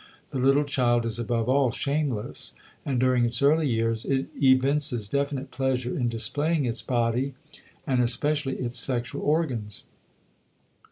The little child is above all shameless, and during its early years it evinces definite pleasure in displaying its body and especially its sexual organs.